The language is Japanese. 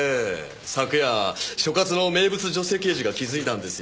昨夜所轄の名物女性刑事が気づいたんですよ。